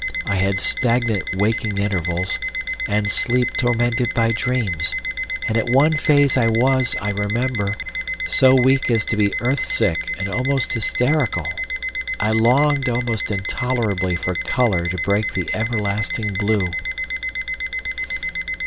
I had stagnant waking intervals, and sleep tormented by dreams, and at one phase I was, I remember, so weak as to be earth sick and almost hysterical. I longed almost intolerably for colour to break the everlasting blue..."